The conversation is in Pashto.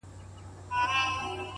خيالاتو د حالاتو د دې سوال الهام راکړی”